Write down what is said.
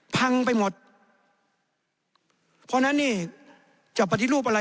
พังไปหมดเพราะฉะนั้นนี่จะปฏิรูปอะไร